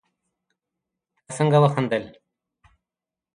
تا څنګه وخندل